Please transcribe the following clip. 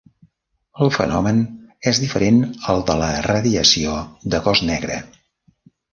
El fenomen és diferent al de la radiació de cos negre.